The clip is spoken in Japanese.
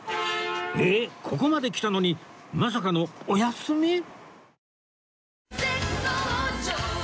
ここまで来たのにまさかのお休み？